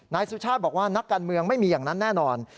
นายสุชาติบอกว่านักการเมืองไม่มีอย่างนั้นแน่นอน